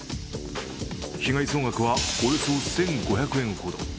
被害総額はおよそ１５００円ほど。